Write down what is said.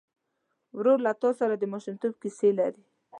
ورور له تا سره د ماشومتوب کیسې لري.